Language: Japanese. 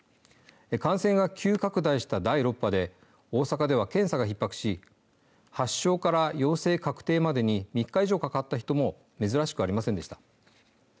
感染が急拡大した第６波で大阪では検査がひっ迫し発症から陽性確定までに３日以上かかった人も珍しくありませんでした。